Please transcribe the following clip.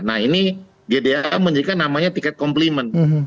nah ini gda menjadikan namanya tiket komplimen